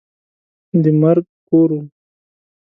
د مرګ کور وو.